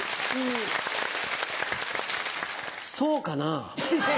そうかな？